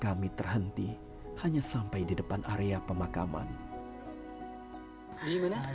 jadi peristi dan penjaga bergabung dengan belajar ayatnya di rumah belajar